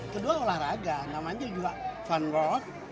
kedua olahraga namanya juga fun war